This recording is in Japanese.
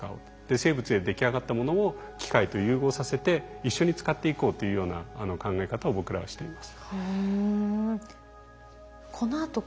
生物ででき上がったものを機械と融合させて一緒に使っていこうというような考え方を僕らはしています。